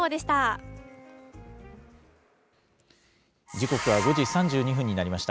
時刻は５時３２分になりました。